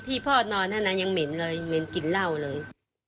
ที่มีเรื่องราวทะเลาะวิวาดกัน